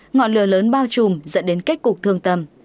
ngọn lửa lớn bao trùm dẫn đến kết cục thương tầm